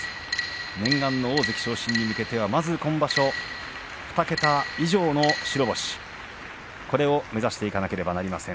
念願の大関昇進に向けてはまず今場所、２桁以上の白星これを目指していかなくてはなりません。